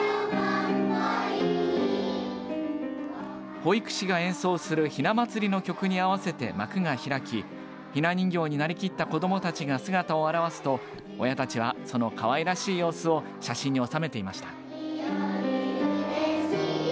保育士が演奏するひな祭りの曲に合わせて幕が開きひな人形になりきった子どもたちが姿を現すと親たちはそのかわいらしい様子を写真に収めていました。